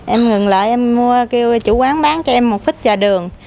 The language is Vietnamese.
em ngừng lại em mua kêu chủ quán bán cho em một phít trà đường